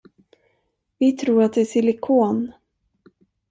Vi tror att det är silikon.